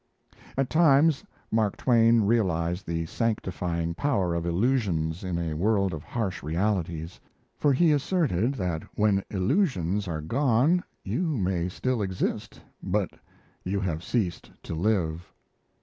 At times, Mark Twain realized the sanctifying power of illusions in a world of harsh realities; for he asserted that when illusions are gone you may still exist, but you have ceased to live.